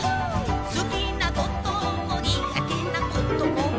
「すきなこともにがてなことも」